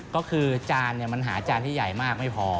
ก็คือจานมันหาจานที่ใหญ่มากไม่พอ